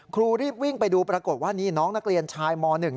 ครูรีบวิ่งไปดูปรากฏว่านี่น้องนักเรียนชายม๑